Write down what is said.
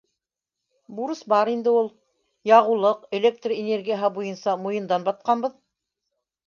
Бурыс бар инде ул. Яғыулыҡ, электр энергияһы буйынса муйындан батҡанбыҙ.